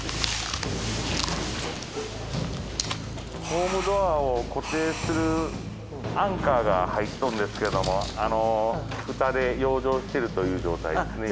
ホームドアを固定するアンカーが入っとるんですけどもあのフタで養生してるという状態ですね